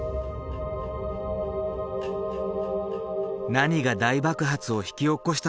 何が大爆発を引き起こしたのか？